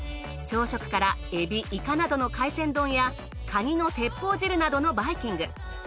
朝食からエビイカなどの海鮮丼やカニの鉄砲汁などのバイキング。